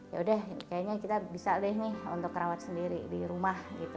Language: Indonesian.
ya udah kayaknya kita bisa deh nih untuk rawat sendiri di rumah gitu